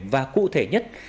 và cụ thể nhất